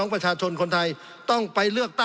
สงบจนจะตายหมดแล้วครับ